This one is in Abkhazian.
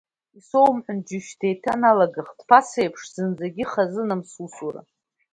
Исоумҳәан, џьушьҭ, деиҭаналагахт ԥаса еиԥш, зынӡагьы ихазынам сусура…